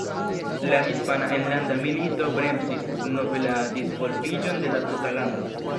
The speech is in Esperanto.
La Hispana Enlanda Milito bremsis denove la disvolviĝon de la tuta lando.